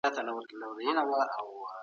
پوهنوال شېرشاه رشاد او ځینو نورو فرهنګپالو او